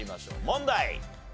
問題。